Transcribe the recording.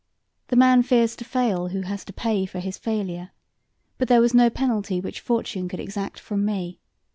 The man fears to fail who has to pay for his failure, but there was no penalty which Fortune could exact from me.